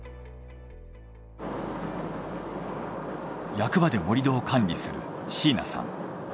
役場で盛り土を管理する椎名さん。